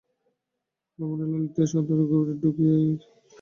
লাবণ্য ললিতা ও সতীশ ঘরের মধ্যে ঢুকিয়াই গোরাকে দেখিয়া সংযত হইয়া দাঁড়াইল।